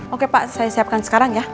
oke pak saya siapkan sekarang ya